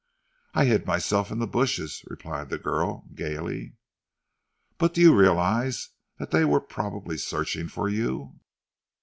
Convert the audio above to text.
"I hid myself in the bushes," replied the girl, gaily. "But do you realize that they were probably, searching for you?"